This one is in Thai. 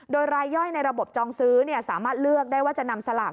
โดยรายย่อยในระบบจองซื้อสามารถเลือกได้ว่าจะนำสลาก